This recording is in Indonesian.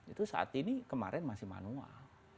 itu saat ini kemarin masih manual